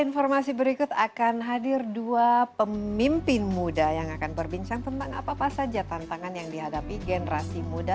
informasi berikut akan hadir dua pemimpin muda yang akan berbincang tentang apa apa saja tantangan yang dihadapi generasi muda